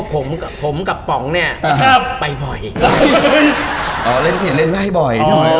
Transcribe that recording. พวกผมกับผมกับป๋องเนี่ยอ่าครับไปบ่อยอ๋อเล่นเขตเล่นไว้บ่อย